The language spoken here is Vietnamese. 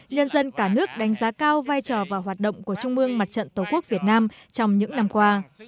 nhân dân cả nước đánh giá cao vai trò và hoạt động của trung mương mặt trận tổ quốc việt nam trong những năm qua